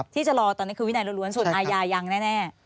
คุณว่าจะรอตอนนี้คือวินัยรวมรวมส่วนอายาหรือยังแน่